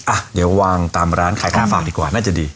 อ่ะเดี๋ยววางตามร้านขายของฝากดีกว่าน่าจะดี